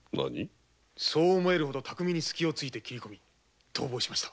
そう思えるほど巧みに切り込み逃亡しました。